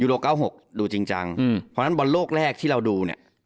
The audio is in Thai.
ยูโรก้าวหกดูจริงจังอืมเพราะฉะนั้นบอลโลกแรกที่เราดูเนี้ย